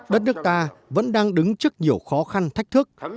đất nước ta vẫn đang đứng trước nhiều khó khăn thách thức